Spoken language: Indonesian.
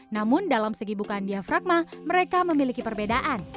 namun dalam segi bukaan diafragma mereka memiliki perbedaan